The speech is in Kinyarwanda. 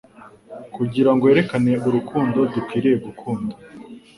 kugirango yerekane urukundo dukwiye gukunda